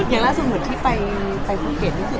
อย่างล่ะสมมุติในภูเกตที่ไป